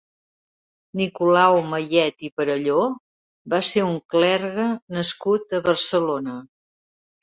Nicolau Mayet i Perelló va ser un clergue nascut a Barcelona.